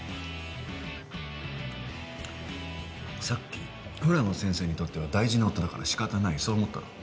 さっきフラの先生にとっては大事な夫だから仕方ないそう思ったろ？